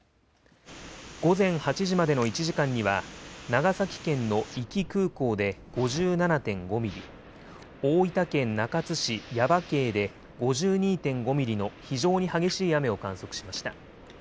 午前８時までの１時間には長崎県の壱岐空港で５７．５ミリ、大分県中津市耶馬溪で５２．５ミリの非常に激しい雨を観測しました。